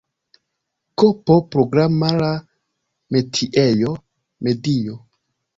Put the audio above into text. Kp programara metiejo, medio.